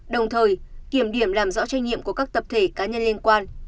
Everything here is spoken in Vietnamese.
đồng thời kiểm điểm làm rõ trách nhiệm của các tập thể cá nhân liên quan